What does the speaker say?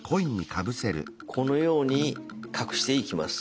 このように隠していきます。